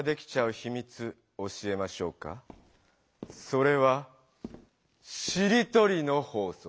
それは「しりとりの法則」！